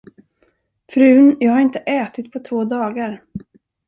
Frun, jag har inte ätit på två dagar.